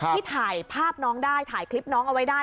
ที่ถ่ายภาพน้องได้ถ่ายคลิปน้องเอาไว้ได้